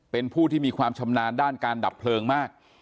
เป็นผู้ที่มีความชำนาญด้านการดับเพลิงมาก